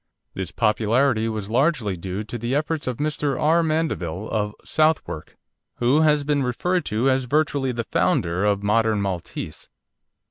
This popularity was largely due to the efforts of Mr. R. Mandeville, of Southwark, who has been referred to as virtually the founder of the modern Maltese.